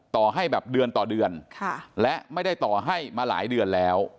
ต่อให้แบบเดือนต่อเดือนและไม่ได้ต่อให้มาหลายเดือนแล้ว